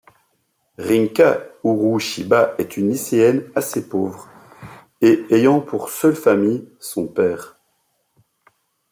Rinka Urushiba est une lycéenne assez pauvre et ayant pour seule famille son père.